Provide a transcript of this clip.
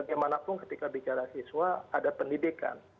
bagaimanapun ketika bicara siswa ada pendidikan